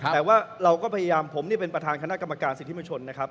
แต่ว่าเราก็พยายามผมนี่เป็นประธานคณะกรรมการสิทธิมชนนะครับ